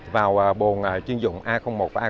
vào bồn chuyên dụng a một và a hai